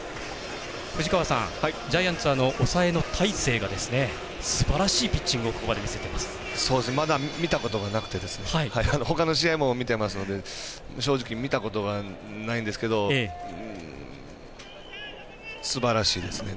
藤川さん、ジャイアンツは抑えの大勢がすばらしいピッチングをまだ見たことがなくてほかの試合も見てますので正直、見たことがないんですけどすばらしいですね。